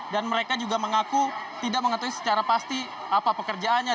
dan mereka juga mengaku tidak mengetahui secara pasti apa pekerjaannya